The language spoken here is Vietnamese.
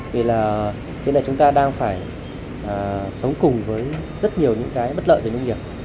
vì là hiện nay chúng ta đang phải sống cùng với rất nhiều những cái bất lợi về nông nghiệp